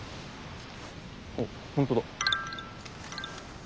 あっ本当だ。